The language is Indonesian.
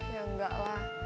ya enggak lah